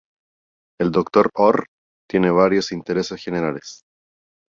El Dr. Orr tiene varios intereses generales.